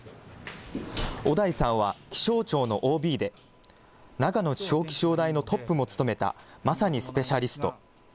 尾台さんは気象庁のＯＢで長野地方気象台のトップも務めたまさにスペシャリスト。